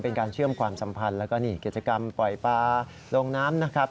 เป็นการเชื่อมความสัมพันธ์แล้วก็นี่กิจกรรมปล่อยปลาลงน้ำนะครับ